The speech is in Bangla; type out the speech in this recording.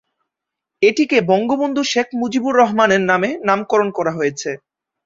এটিকে বঙ্গবন্ধু শেখ মুজিবুর রহমানের নামে নামকরণ করা হয়েছে।